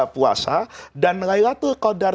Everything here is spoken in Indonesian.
puasa dan laylatul qadar